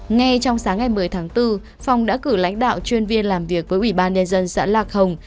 ngay trong sáng ngày một mươi tháng bốn phong đã cử lãnh đạo chuyên viên làm việc với ủy ban nhân dân xã lạc hồng